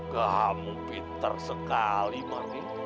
kamu pinter sekali marni